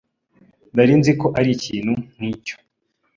Nari nzi ko arikintu nkicyo.